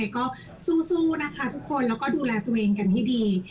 ก็สู้นะคะทุกคนแล้วก็ดูแลตัวเองกันให้ดี